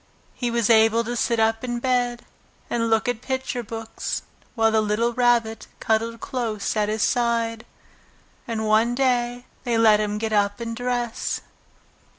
He was able to sit up in bed and look at picture books, while the little Rabbit cuddled close at his side. And one day, they let him get up and dress.